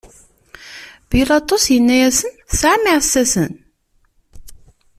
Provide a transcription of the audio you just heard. Bilaṭus inna-asen: Tesɛam iɛessasen.